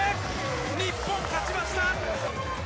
日本、勝ちました！